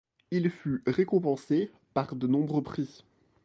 Il fut récompensé par de nombreux prix.